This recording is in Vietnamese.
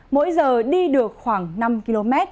mỗi giờ đi được khoảng năm km